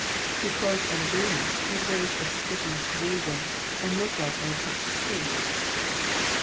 Too close an agree ment would raise a suspicion of collusion, and look like an at tempt to deceive.